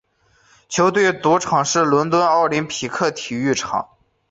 球队主场是伦敦奥林匹克体育场。